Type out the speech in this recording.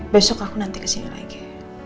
besok aku nanti kesini lagi